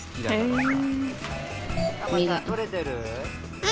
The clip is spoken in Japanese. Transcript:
うん。